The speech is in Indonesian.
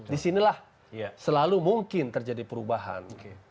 di sinilah selalu mungkin terjadi perubahan